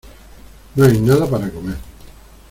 No hay nada para comer.